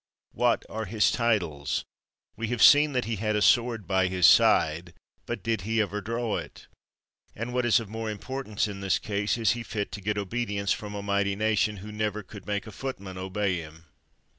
What are his titles? We have seen that he had a sword by his side ; but did he ever draw it ? And what is of more importance in this case, is he fit to get obedi ence from a mighty nation, who could never make a footman obey him?